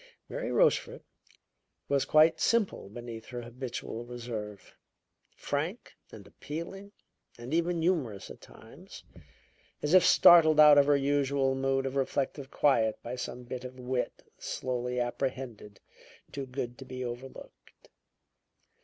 Mary Rochefort was quite simple beneath her habitual reserve; frank and appealing and even humorous at times, as if startled out of her usual mood of reflective quiet by some bit of wit, slowly apprehended, too good to be overlooked.